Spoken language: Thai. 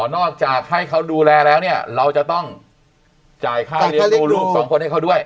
นอกจากให้เขาดูแลแล้วเนี่ยเราจะต้องจ่ายค่าเลี้ยงดูลูกสองคนให้เขาด้วย